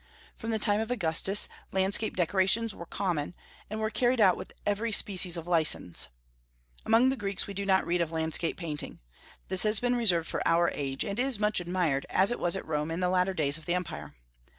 From the time of Augustus landscape decorations were common, and were carried out with every species of license. Among the Greeks we do not read of landscape painting. This has been reserved for our age, and is much admired, as it was at Rome in the latter days of the empire.